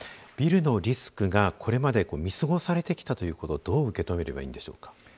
ビルのリスクがこれまで見過ごされてきたということどう受け止めればいいでしょうか。